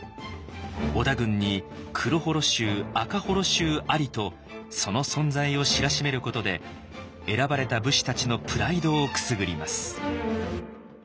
織田軍に黒母衣衆赤母衣衆ありとその存在を知らしめることで選ばれた武士たちのプライドをくすぐります。